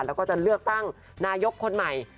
แล้วก็จะเลือกตั้งนายกคนใหม่